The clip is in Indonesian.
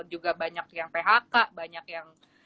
juga banyak yang phk banyak yang